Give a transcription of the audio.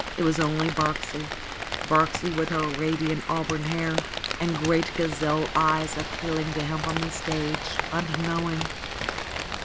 It was only Birksie, Birksie with her radiant auburn hair and great gazelle eyes appeal ing to him from the stage, unknowing.